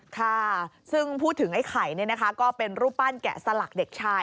ค่ะซึ่งพูดถึงไอ้ไข่ก็เป็นรูปปั้นแกะสลักเด็กชาย